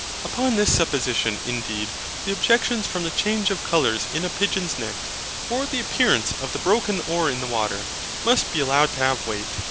Upon this supposition, indeed, the objections from the change of colours in a pigeon's neck, or the appearance of the broken oar in the water, must be allowed to have weight.